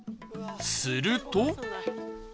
すると